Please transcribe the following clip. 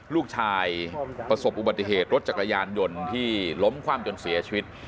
ประสบอุบัติเหตุรถจักรยานยนต์ที่ล้มคว่ำจนเสียชีวิต